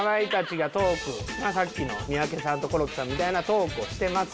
さっきの三宅さんとコロッケさんみたいなトークをしてます。